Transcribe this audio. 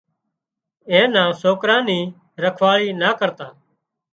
اين نا سوڪرا اين ني رکواۯي نا ڪرتا